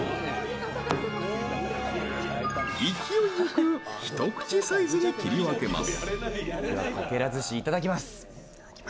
勢いよく一口サイズに切り分けます。